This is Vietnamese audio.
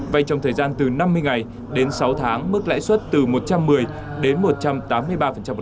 vay trong thời gian từ năm mươi ngày đến sáu tháng mức lãi suất từ một trăm một mươi đến một trăm tám mươi ba một